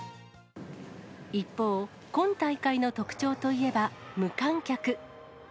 一方、今大会の特徴といえば、無観客。